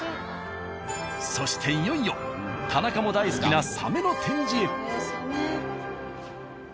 そしていよいよ田中も大好きなサメの展示へ。